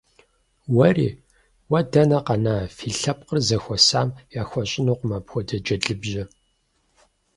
Уэри? Уэ дэнэ къэна, фи лъэпкъыр зэхуэсам яхуэщӀынукъым апхуэдэ джэдлыбжьэ.